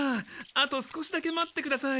あと少しだけ待ってください。